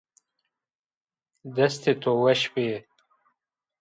Destê to weş bê